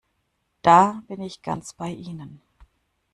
Da bin ich ganz bei Ihnen!